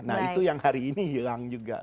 nah itu yang hari ini hilang juga